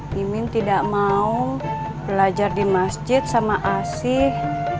nimin tidak mau belajar di masjid sama asih